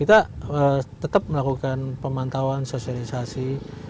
kita tetap melakukan pemantauan sosialisasi